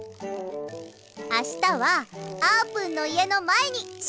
あしたはあーぷんのいえのまえにしゅうごうよ。